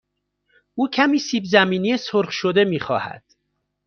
او کمی سیب زمینی سرخ شده می خواهد.